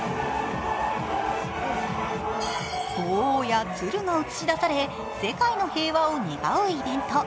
鳳凰や鶴が映し出され、世界の平和を願うイベント。